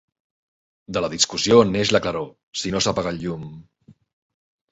De la discussió en neix la claror, si no s'apaga el llum...